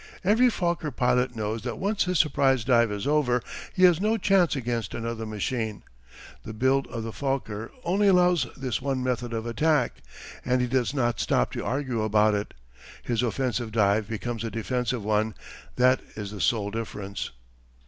Every Fokker pilot knows that once his surprise dive is over he has no chance against another machine the build of the Fokker only allows this one method of attack and he does not stop to argue about it. His offensive dive becomes a defensive one that is the sole difference.